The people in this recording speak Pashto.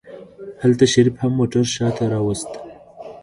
هلته شريف هم موټر شاته راوست.